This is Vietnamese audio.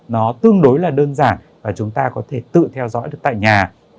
nó tương đối là đơn giản và chúng ta có thể tự theo dõi được tại nhà